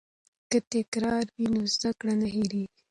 که تکرار وي نو زده کړه نه هیریږي.